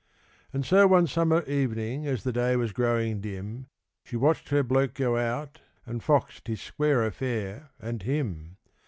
And so one summer evening, as the day was growing dim, She watched her bloke go out, and foxed his square affair and him.